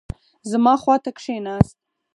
زما خوا ته کښېناست.